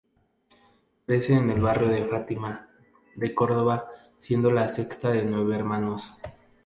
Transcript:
Crece en el barrio de Fátima, de Córdoba siendo la sexta de nueve hermanos.